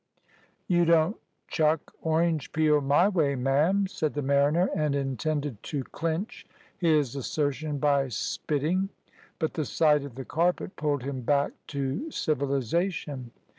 "You don't chuck orange peel my way, ma'am," said the mariner, and intended to clinch his assertion by spitting. But the sight of the carpet pulled him back to civilisation.